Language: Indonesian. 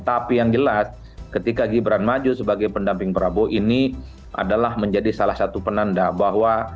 tapi yang jelas ketika gibran maju sebagai pendamping prabowo ini adalah menjadi salah satu penanda bahwa